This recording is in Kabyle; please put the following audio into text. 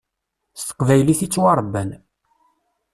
S teqbaylit i ttwaṛebban.